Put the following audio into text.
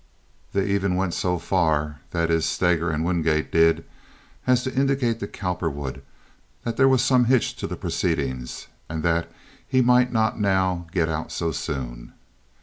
They even went so far—that is, Steger and Wingate did—as to indicate to Cowperwood that there was some hitch to the proceedings and that he might not now get out so soon.